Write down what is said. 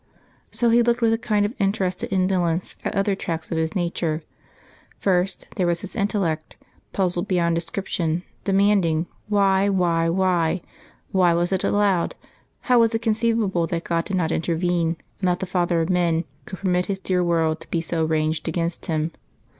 So he looked with a kind of interested indolence at other tracts of his nature. First, there was his intellect, puzzled beyond description, demanding, Why, why, why? Why was it allowed? How was it conceivable that God did not intervene, and that the Father of men could permit His dear world to be so ranged against Him?